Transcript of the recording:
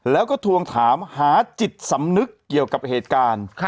แล้วก็ทวงถามหาจิตสำนึกเกี่ยวกับเหตุการณ์